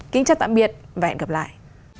kính chào tạm biệt và hẹn gặp lại